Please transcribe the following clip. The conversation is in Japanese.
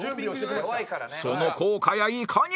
その効果やいかに？